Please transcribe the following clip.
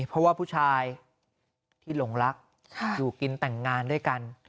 เพราะว่าผู้ชายที่หลงรักอยู่กินแต่งงานด้วยกัน